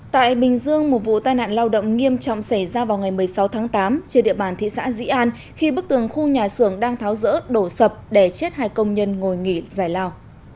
tại bình dương một vụ tai nạn lao động nghiêm trọng xảy ra vào ngày một mươi sáu tháng tám trên địa bàn thị xã dĩ an khi bức tường khu nhà xưởng đang tháo rỡ đổ sập đè chết hai công nhân ngồi nghỉ giải lao